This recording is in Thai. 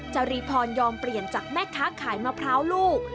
จรีพรยอมเปลี่ยนจากแม่ค้าขายมะพร้าวลูก